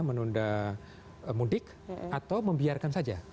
menunda mudik atau membiarkan saja